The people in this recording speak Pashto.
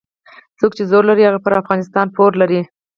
څوک چې زور لري هغه پر افغانستان پور لري.